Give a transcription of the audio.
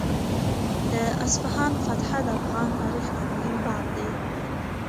د اصفهان فتحه د افغان تاریخ یو مهم باب دی.